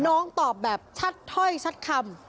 น้องตอบแบบชัดถ้อยชัดคำ